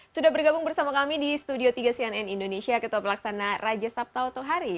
sudah bergabung bersama kami di studio tiga cnn indonesia ketua pelaksana raja sabtau tohari